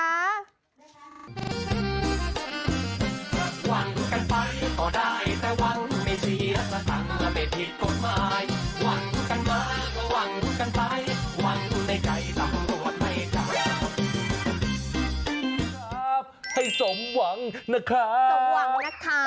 ให้สมหวังนะคะ